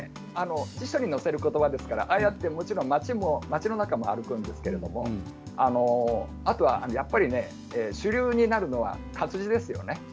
辞書に載せることばですからああやってもちろん街の中も歩くんですけどあとはやっぱり主流になるのは活字ですよね。